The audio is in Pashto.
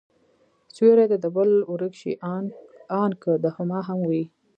سيورى دي د بل ورک شي، آن که د هما هم وي